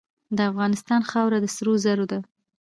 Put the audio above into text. د افغانستان خاوره د سرو زرو ده.